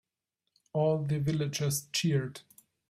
All the villagers cheered.